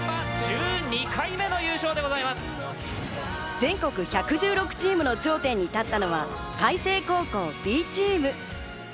全国１１６チームの頂点に立ったのは開成高校Ｂチーム。